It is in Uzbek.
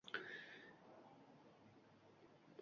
Qaynogʼamu qayinegachimga – kuyovbola